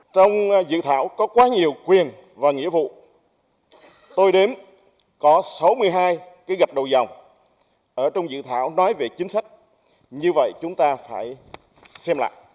trong dự thảo có quá nhiều quyền và nghĩa vụ tôi đếm có sáu mươi hai cái gặp đầu dòng ở trong dự thảo nói về chính sách như vậy chúng ta phải xem lại